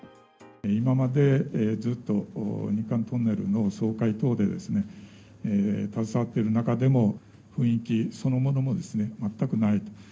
今までずっと、日韓トンネルの総会等で、携わっている中でも、雰囲気そのものも全くない。